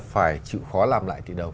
phải chịu khó làm lại từ đầu